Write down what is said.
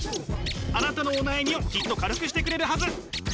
あなたのお悩みをきっと軽くしてくれるはず。